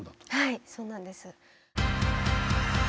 はいそうなんです。